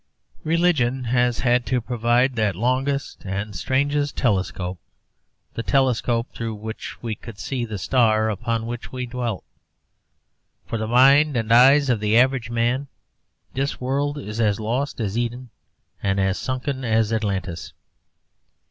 Religion has had to provide that longest and strangest telescope the telescope through which we could see the star upon which we dwelt. For the mind and eyes of the average man this world is as lost as Eden and as sunken as Atlantis.